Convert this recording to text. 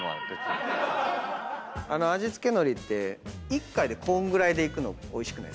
味付けのりって１回でこんぐらいでいくのおいしくないですか？